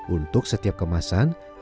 untuk setiap kemasan